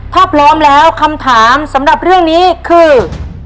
ถ้าพร้อมแล้วคำถามสำหรับเรื่องนี้คือ